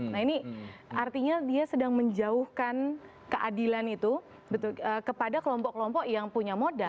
nah ini artinya dia sedang menjauhkan keadilan itu kepada kelompok kelompok yang punya modal